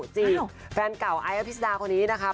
จีบแฟนเก่าไอ้อภิษฎาคนนี้นะคะ